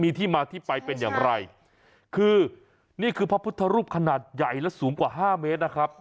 มีที่มาที่ไปเป็นอย่างไรคือนี่คือพระพุทธรูปขนาดใหญ่และสูงกว่าห้าเมตรนะครับ